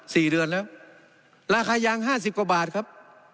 สี่เดือนแล้วราคายางห้าสิบกว่าบาทครับ